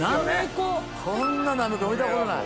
こんななめこ見たことない。